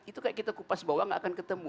itu kayak kita kupas bawah gak akan ketemu